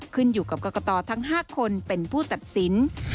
ขึ้นอยู่กับกรกตทั้ง๕คนเป็นผู้ตัดสิน